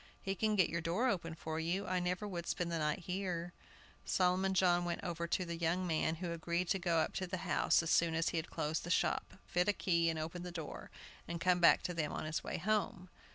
He can get your door open for you. I never would spend the night here." Solomon John went over to "the young man," who agreed to go up to the house as soon as he had closed the shop, fit a key, and open the door, and come back to them on his way home.